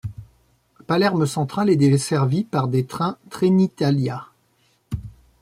Palerme-Centrale est desservie par des trains Trenitalia.